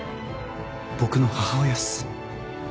僕の母親っす。